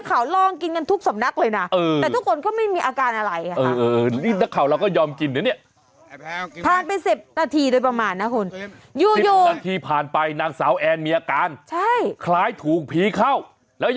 อันนี้มีการบอกว่าคุยกับนักข่าว